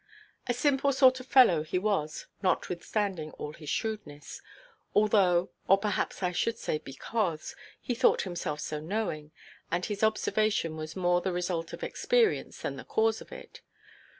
A simple sort of fellow he was (notwithstanding all his shrewdness), although, or perhaps I should say because, he thought himself so knowing; and his observation was more the result of experience than the cause of it.